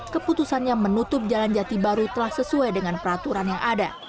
keputusannya menutup jalan jati baru telah sesuai dengan peraturan yang ada